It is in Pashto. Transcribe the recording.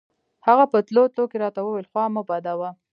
هغه په تلو تلو کښې راته وويل خوا مه بدوه.